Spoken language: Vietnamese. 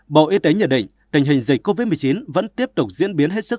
bộ y tế nhận định tình hình dịch covid một mươi chín vẫn tiếp tục diễn biến hết sức